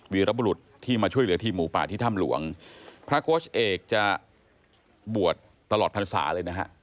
ระบุรุษที่มาช่วยเหลือทีมหมูป่าที่ถ้ำหลวงพระโค้ชเอกจะบวชตลอดพรรษาเลยนะฮะ